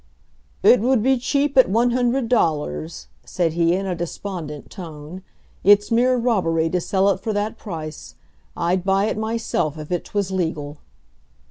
"It would be cheap at one hundred dollars," said he, in a despondent tone. "It's mere robbery to sell it for that price. I'd buy it myself if 'twas legal."